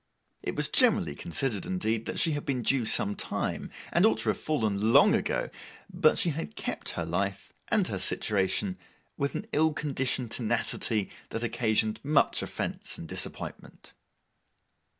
It was generally considered, indeed, that she had been due some time, and ought to have fallen long ago; but she had kept her life, and her situation, with an ill conditioned tenacity that occasioned much offence and disappointment.